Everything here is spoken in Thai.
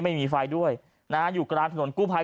ไม่มีไฟด้วยนะฮะอยู่กลางถนนกู้ภัย